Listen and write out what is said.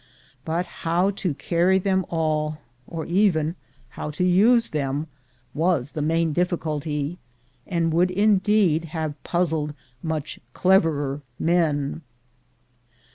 But how to carry them all, or even how to use them, was the main difficulty, and would indeed have puzzled much cleverer men.